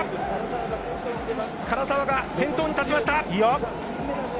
唐澤が先頭に立ちました！